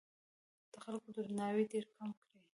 د خلکو درناوی ډېر کم کړ.